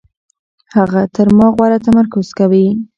هغه تر ما غوره تمرکز کوي.